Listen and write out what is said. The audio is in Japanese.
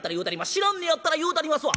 知らんねやったら言うたりますわ。